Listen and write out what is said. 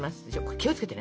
気を付けてね。